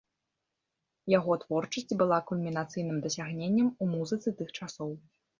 Яго творчасць была кульмінацыйным дасягненнем у музыцы тых часоў.